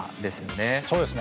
そうですね。